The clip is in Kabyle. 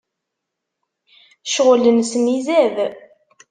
Ccɣel-nsen izad!